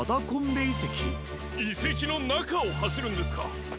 いせきのなかをはしるんですか！？